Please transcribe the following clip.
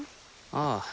ああ。